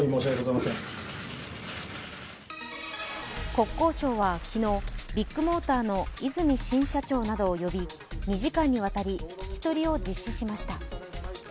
国交省は昨日、ビッグモーターの和泉新社長などを呼び、２時間にわたり聞き取りを実施しました。